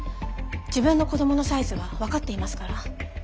自分の子供のサイズは分かっていますから。